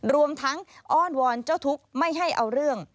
รวมทั้งอ้อนวอนเจ้าทุกข์ไม่ให้เอาเรื่อง